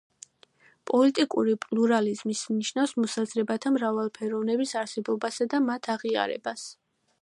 პოლიტიკური პლურალიზმი ნიშნავს მოსაზრებათა მრავალფეროვნების არსებობასა და მათ აღიარებას.